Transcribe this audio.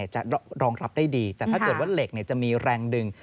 จะรองรับได้ดีแต่ถ้าเกิดว่าเหล็กจะมีแรงดึง